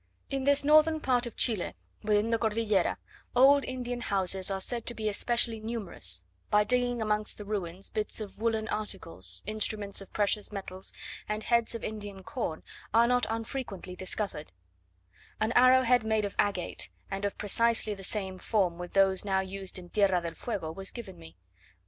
In this northern part of Chile, within the Cordillera, old Indian houses are said to be especially numerous: by digging amongst the ruins, bits of woollen articles, instruments of precious metals, and heads of Indian corn, are not unfrequently discovered: an arrow head made of agate, and of precisely the same form with those now used in Tierra del Fuego, was given me.